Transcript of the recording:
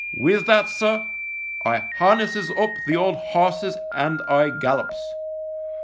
" With that, sir, I harnesses up the old horses and I gallops.